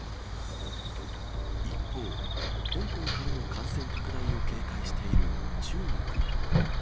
一方、香港からの感染拡大を警戒している中国。